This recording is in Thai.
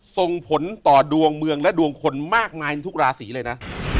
ส่งผลต่อดวงเมืองและดวงคนมากมายในทุกราศีเลยนะ